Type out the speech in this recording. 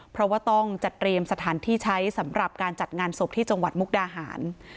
เพราะว่าต้องจัดเตรียมสถานที่ใช้สำหรับการจัดงานศพที่จังหวัดมุกดาหาร